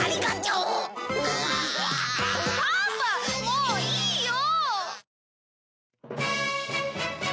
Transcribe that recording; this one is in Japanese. もういいよ！